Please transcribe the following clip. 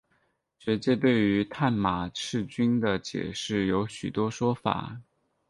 学界对于探马赤军的解释有许多说法。